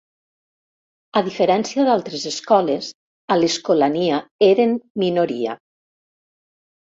A diferència d'altres escoles, a l'Escolania eren minoria.